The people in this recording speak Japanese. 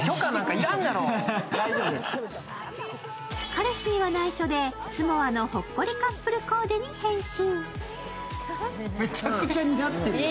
彼氏には内緒でＳ’ｍｏｒｅのほっこりカップルコーデに変身。